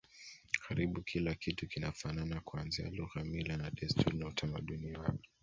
Karibu kila kitu kinafanana kuanzia lugha mila na desturi na utamaduni wao